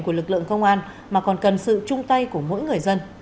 của lực lượng công an mà còn cần sự chung tay của mỗi người dân